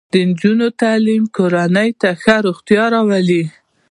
د نجونو تعلیم کورنۍ ته ښه روغتیا راوړي.